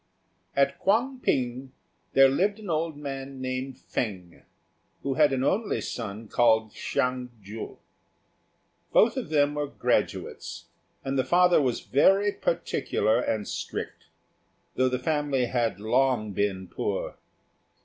At Kuang p'ing there lived an old man named Fêng, who had an only son called Hsiang ju. Both of them were graduates; and the father was very particular and strict, though the family had long been poor.